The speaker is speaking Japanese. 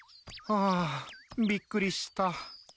あびっくりした。